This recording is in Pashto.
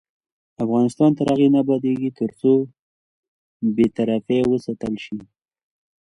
افغانستان تر هغو نه ابادیږي، ترڅو بې طرفي وساتل شي.